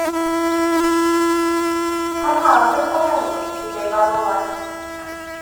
Parhaodd yn Llanelwy hyd ei farwolaeth.